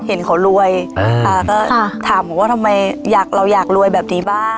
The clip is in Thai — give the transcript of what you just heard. เห็นเขารวยอ่าค่ะค่ะถามบอกว่าทำไมอยากเราอยากรวยแบบนี้บ้าง